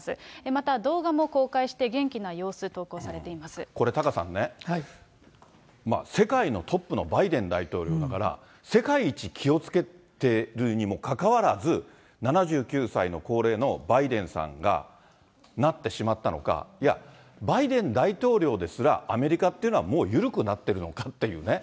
また動画も公開して、これ、タカさんね、世界のトップのバイデン大統領だから、世界一、気をつけてるにもかかわらず、７９歳の高齢のバイデンさんがなってしまったのか、いや、バイデン大統領ですら、アメリカっていうのはもう緩くなっているのかっていうね。